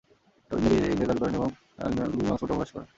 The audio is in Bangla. ডকিন্স নিজেকে ইংরেজ দাবী করেন এবং ইংল্যান্ডের অক্সফোর্ডে বাস করেন।